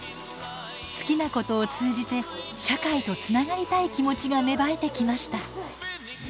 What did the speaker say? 好きなことを通じて社会とつながりたい気持ちが芽生えてきました。